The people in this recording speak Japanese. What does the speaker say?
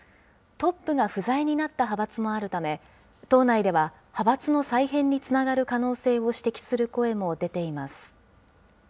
トップが不在になった派閥もあるため、党内では派閥の再編につながる可能性を指摘する声も出ています。